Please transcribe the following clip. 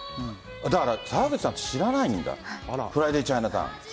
澤口さん、知らないんだ、フライデイ・チャイナタウン。